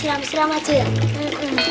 oh gitu enak